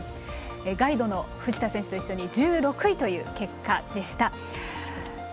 ガイドの藤田さんと一緒に１６位という結果でした。